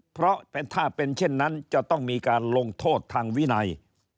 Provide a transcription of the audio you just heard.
เพราะถ้าเป็นเช่นนั้นจะต้องมีการลงโทษทางวินัย